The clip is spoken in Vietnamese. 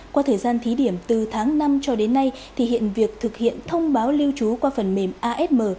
qua thời gian thí điểm từ tháng năm cho đến nay thì hiện việc thực hiện thông báo lưu trú qua phần mềm asm